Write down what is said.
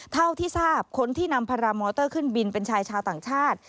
เท่าที่ทราบคนที่นำพารามอเตอร์ขึ้นบินเป็นชายชาวต่างชาติ